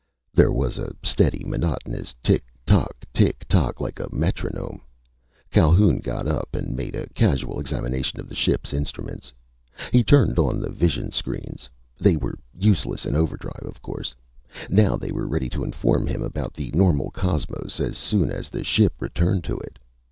_" There was a steady, monotonous tick, tock, tick, tock, like a metronome. Calhoun got up and made a casual examination of the ship's instruments. He turned on the vision screens. They were useless in overdrive, of course, Now they were ready to inform him about the normal cosmos as soon as the ship returned to it.